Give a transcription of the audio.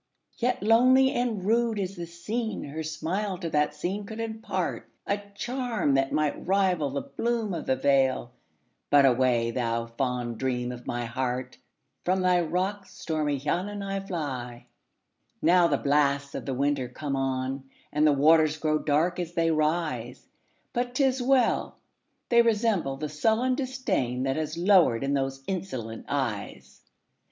Yet lonely and rude as the scene, Her smile to that scene could impartA charm that might rival the bloom of the vale,—But away, thou fond dream of my heart! From thy rocks, stormy Llannon, I fly. Now the blasts of the winter come on, And the waters grow dark as they rise! But 't is well!—they resemble the sullen disdainThat has lowered in those insolent eyes.